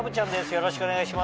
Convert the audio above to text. よろしくお願いします。